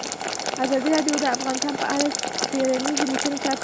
ازادي راډیو د اقتصاد په اړه څېړنیزې لیکنې چاپ کړي.